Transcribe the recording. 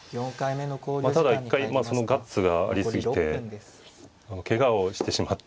ただ一回そのガッツがありすぎてけがをしてしまって。